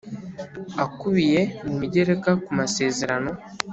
Akubiye mu migereka ku masezerano